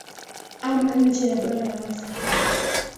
ama nje ya bara la afrika